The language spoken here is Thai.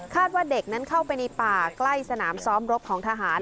ว่าเด็กนั้นเข้าไปในป่าใกล้สนามซ้อมรบของทหาร